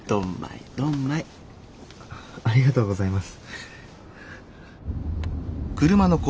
ありがとうございます。